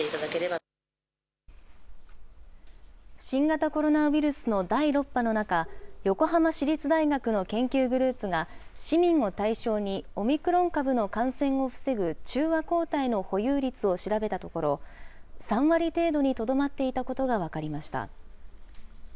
新型コロナウイルスの第６波の中、横浜市立大学の研究グループが市民を対象に、オミクロン株の感染を防ぐ中和抗体の保有率を調べたところ、３割程度にとどまっていたことが分かりました。